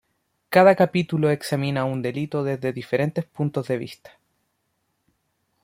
Cada capítulo examina un delito desde diferentes puntos de vista.